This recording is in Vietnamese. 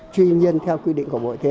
tuy nhiên theo quy định của bộ thế